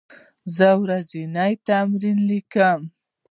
زه ورځنی تمرین لیکم.